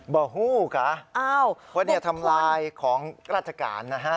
บ่อฮู้กะว่าเนี่ยทำลายของราชการนะฮะ